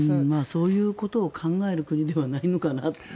そういうことを考える国ではないのかなと。